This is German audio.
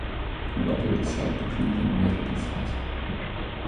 Im Laufe der Zeit durchlief er mehrere Phasen.